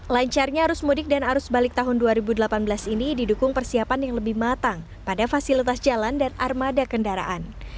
lancarnya arus mudik dan arus balik tahun dua ribu delapan belas ini didukung persiapan yang lebih matang pada fasilitas jalan dan armada kendaraan